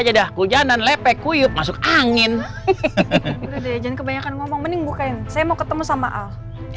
jadah hujanan lepek kuyuk masuk angin kebanyakan ngomong mending bukain saya mau ketemu sama al